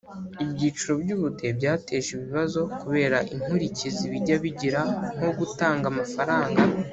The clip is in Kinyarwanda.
Ibyiciro by ubudehe byateje ibibazo kubera inkurikizi bijya bigira nko gutanga amafaranga